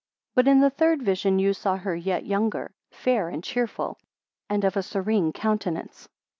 128 But in the third vision you saw her yet younger, fair and cheerful, and of a serene countenance.